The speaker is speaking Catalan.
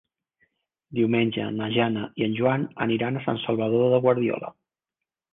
Diumenge na Jana i en Joan aniran a Sant Salvador de Guardiola.